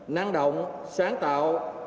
năng động sáng tạo